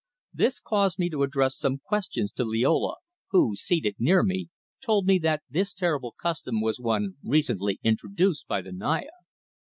This caused me to address some questions to Liola, who, seated near me, told me that this terrible custom was one recently introduced by the Naya.